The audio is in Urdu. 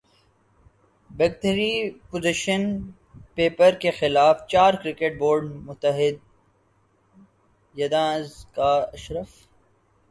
بگ تھری پوزیشن پیپر کے خلاف چار کرکٹ بورڈز متحد ہیںذکا اشرف